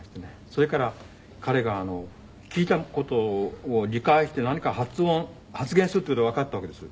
それから彼が聞いた事を理解して何か発音発言するっていう事がわかったわけですよ。